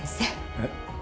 えっ？